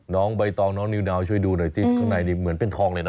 น้องใบตองน้องนิวนาวช่วยดูหน่อยสิข้างในนี่เหมือนเป็นทองเลยนะ